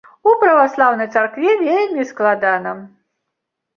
У праваслаўнай царкве вельмі складана.